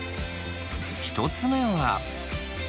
１つ目は。